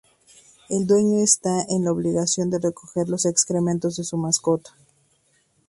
El dueño está en la obligación de recoger los excrementos de su mascota.